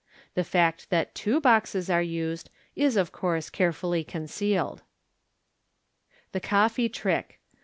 The fact that two boxes are used is, of course, carefully concealed. The Coffee Trick.